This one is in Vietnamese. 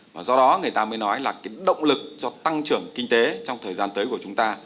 và do đó người ta mới nói là cái động lực cho tăng trưởng kinh tế trong thời gian tới của chúng ta